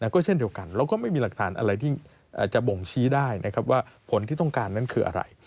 ก็เช่นเดียวกันเราก็ไม่มีหลักฐานอะไรที่จะบ่งชี้ได้นะครับว่าผลที่ต้องการนั้นคืออะไร